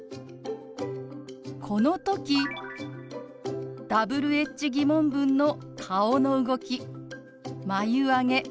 この時Ｗｈ−疑問文の顔の動き眉あげ